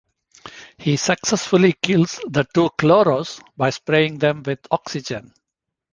He successfully kills the two Kloros by spraying them with oxygen.